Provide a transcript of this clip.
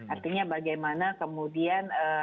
artinya bagaimana kemudian